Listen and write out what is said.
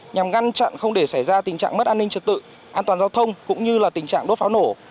nhằm ngăn chặn không để xảy ra tình trạng mất an ninh trật tự an toàn giao thông cũng như tình trạng đốt pháo nổ